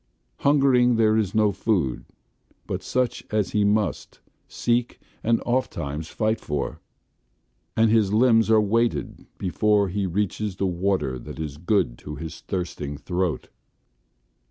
Hungering there is no food but such as he must seek and ofttimes fight for; and his limbs are weighted before he reaches the water that is good to his thirsting throat.